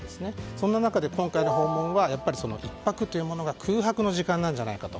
そんな中で今回の訪問は１泊というのが空白の時間なんじゃないかと。